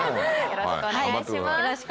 よろしくお願いします。